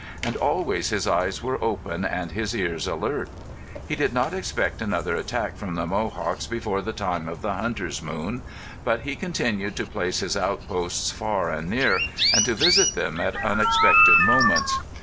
And always his eyes were open and his ears alert. He did not expect another attack from the Mohawks before the time of the hunter's moon, but he continued to place his outposts far and near, and to visit them at unexpected moments.